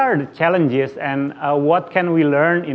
apakah tantangan dan apa yang bisa kita pelajari